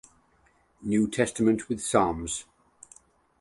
New Testament with Psalms.